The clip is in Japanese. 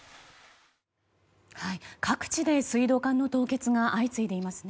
各地で水道管の凍結が相次いでいますね。